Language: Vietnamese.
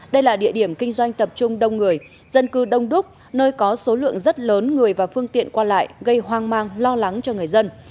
đây là địa điểm kinh doanh tập trung đông người dân cư đông đúc nơi có số lượng rất lớn người và phương tiện qua lại gây hoang mang lo lắng cho người dân